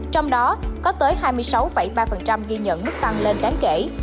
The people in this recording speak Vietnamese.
trong đó có tới hai mươi sáu ba ghi nhận mức tăng lên đáng kể